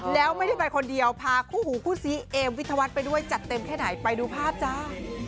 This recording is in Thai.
แล้วไม่ได้ไปคนเดียวพาคู่หูคู่ซีเอมวิทยาวัฒน์ไปด้วยจัดเต็มแค่ไหนไปดูภาพจ้า